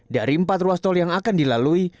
dari empat ruas tol yang akan dilalui